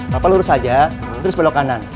bapak lurus aja terus belok kanan